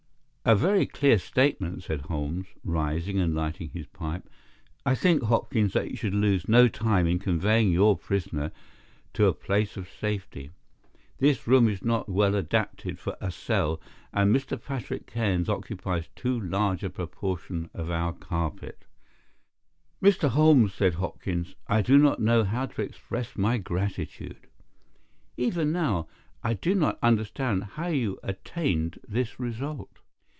"A very clear statement said Holmes," rising and lighting his pipe. "I think, Hopkins, that you should lose no time in conveying your prisoner to a place of safety. This room is not well adapted for a cell, and Mr. Patrick Cairns occupies too large a proportion of our carpet." "Mr. Holmes," said Hopkins, "I do not know how to express my gratitude. Even now I do not understand how you attained this result."